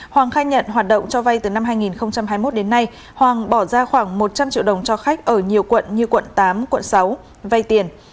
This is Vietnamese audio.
hoàng khai nhận hoạt động cho vay từ năm hai nghìn hai mươi một đến nay hoàng bỏ ra khoảng một trăm linh triệu đồng cho khách ở nhiều quận như quận tám quận sáu vay tiền